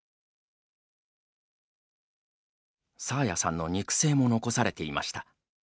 爽彩さんの肉声も残されていました。